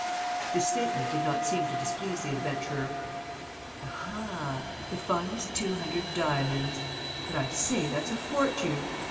This statement did not seem to displease the adventurer. "Aha, the finest two hundred diamonds! But, I say, that's a fortune!